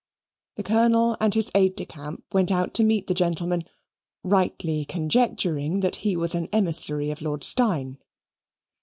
The Colonel and his aide de camp went out to meet the gentleman, rightly conjecturing that he was an emissary of Lord Steyne.